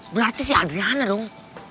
berarti si adriana dong